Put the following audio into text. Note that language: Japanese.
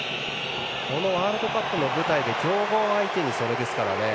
このワールドカップの舞台で強豪相手にそれですからね。